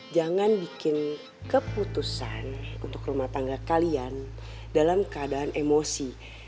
jangan bikin keputusan untuk rumah tangga kalian dalam keadaan emosi